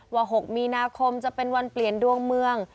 ว่า๖มีนาคมจะเป็นวันเปลี่ยนดวงเมือง